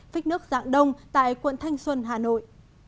phích nước dạng đông tại quận thanh xuân hà nội